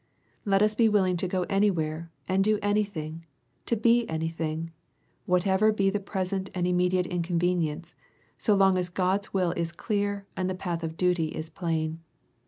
Let us be willing to go anywhere, and do anything, and be anything, whatever be the present and immediate inconvenience, so long as God's will is clear and the path of duty is plain.